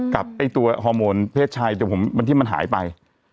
กับไอ้ตัวฮอร์โมนเพศชายที่มันหายไป